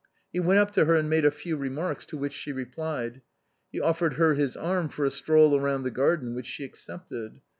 He went up to her and made a few remarks, to which she replied. He offered her his arm for a stroll round the garden which she accepted.